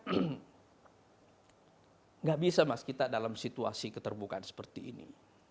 tidak bisa mas kita dalam situasi keterbukaan seperti ini